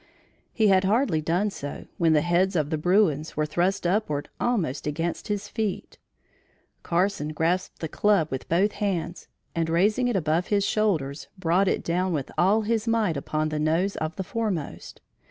He had hardly done so, when the heads of the bruins were thrust upward almost against his feet. Carson grasped the club with both hands and raising it above his shoulders brought it down with all his might upon the nose of the foremost.